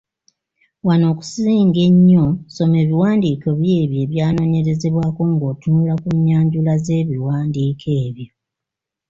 Wano, okusinga ennyo, soma ebiwandiiko by'ebyo ebyanoonyerezebwako ng’otunula mu nnyanjula z’ebiwandiiko ebyo.